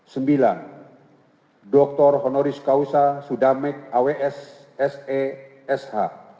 sembilan doktor honoris causa sudamek aws se sh